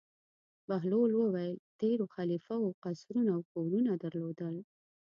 بهلول وویل: تېرو خلیفه وو قصرونه او کورونه درلودل.